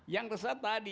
yang resah tadi